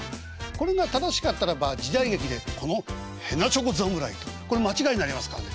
これが正しかったらば時代劇で「このへなちょこ侍」これ間違いになりますからね。